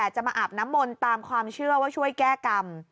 จะมาอาบน้ำมนต์ตามความเชื่อว่าช่วยแก้กรรม